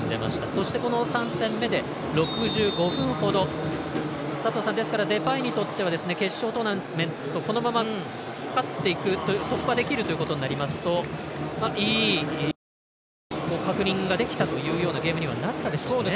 そして、３戦目で６５分ほど佐藤さん、デパイにとっては決勝トーナメント、このまま勝って突破できるということになりますといい確認ができたというようなゲームになりましたかね。